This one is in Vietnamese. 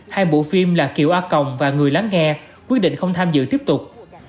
hai bộ phim là kiều a còng và người lắng nghe quyết định không tham dự tiếp tục